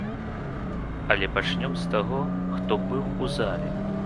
Але пачнём з таго, хто быў у зале.